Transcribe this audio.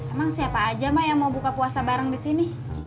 emang siapa aja mak yang mau buka puasa bareng di sini